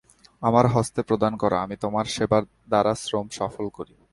আমার হস্তে প্রদান কর, আমি তোমার সেবা দ্বারা শ্রম সফল করি।